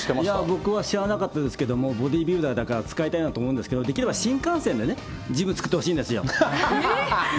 僕は知らなかったですけど、ボディービルダーだから使いたいなと思うんですけども、できれば新幹線でね、ジム作ってほしいんですよ。